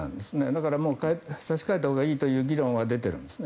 だから差し替えたほうがいいという議論は出ているんです